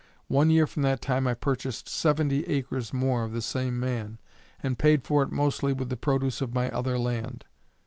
One year from that time I purchased seventy acres more of the same man, and paid for it mostly with the produce of my other land.